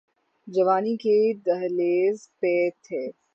جوانی کی دہلیز پہ تھے۔